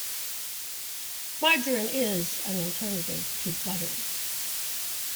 Margarine is an alternative to butter.